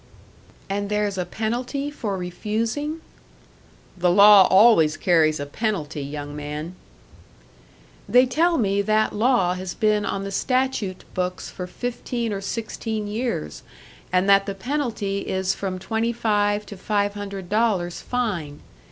"And there's a penalty for refusing?" "The law always carries a penalty, young man." "They tell me that law has been on the statute books for fifteen or sixteen years, and that the penalty is from twenty five to five hundred dollars fine.